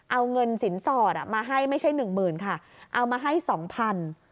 เอาเงินสินสอดอ่ะมาให้ไม่ใช่หนึ่งหมื่นค่ะเอามาให้สองพัน